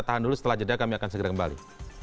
dan setelah itu kami akan segera kembali